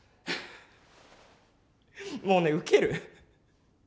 もうねウケる。